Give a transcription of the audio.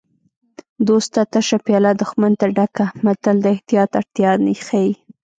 دوست ته تشه پیاله دښمن ته ډکه متل د احتیاط اړتیا ښيي